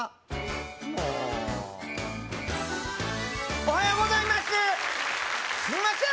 もうおはようございますすみません